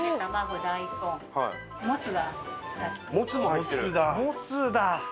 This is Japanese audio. モツだ！